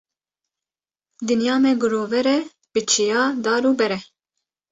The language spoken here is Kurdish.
Dinya me girover e bi çiya, dar û ber e.